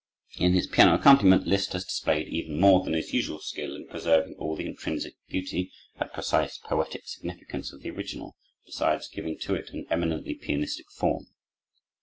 In his piano accompaniment Liszt has displayed even more than his usual skill in preserving all the intrinsic beauty and precise poetic significance of the original, besides giving to it an eminently pianistic form.